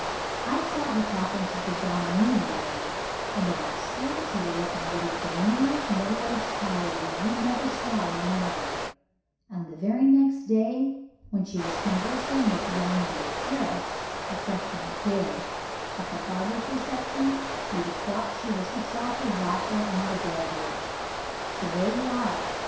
I saw her talking to the dominie the other night, and a more spiritual looking bit of demure middle aged piety you never saw in a nunnery, and the very next day when she was conversing with young George Harris, a Freshman at Yale, at the Barbers' reception, you'd have thought she was herself a Vassar undergraduate. So there you are.